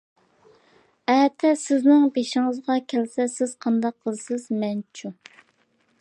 ئەتە سىزنىڭ بېشىڭىزغا كەلسە سىز قانداق قىلىسىز؟ مەنچۇ؟ .